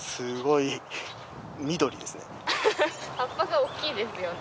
葉っぱが大きいですよね。